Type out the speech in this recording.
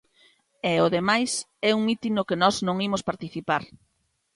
E o demais é un mitin no que nós non imos participar.